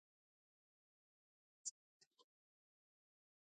د کندهار په ژیړۍ کې د څه شي نښې دي؟